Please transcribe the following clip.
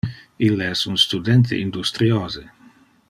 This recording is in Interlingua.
Ille es un studente industriose.